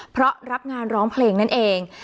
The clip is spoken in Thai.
เพราะรับงานร้องเพลงนั่นเอง